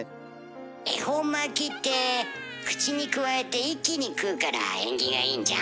恵方巻きって口にくわえて一気に食うから縁起がいいんじゃん？